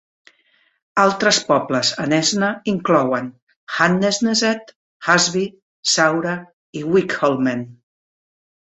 Altres pobles a Nesna inclouen Handnesneset, Husby, Saura, i Vikholmen.